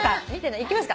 いきますか。